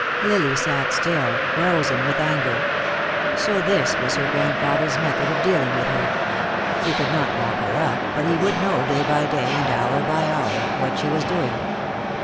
Lily sat still, frozen with anger. So this was her grandfather's method of dealing with her. He could not lock her up, but he would know, day by day, and hour by hour, what she was doing.